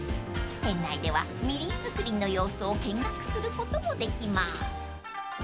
［店内ではみりん造りの様子を見学することもできます］